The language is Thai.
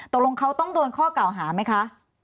ตกลงเขาต้องโดนข้อเก่าหาไหมคะ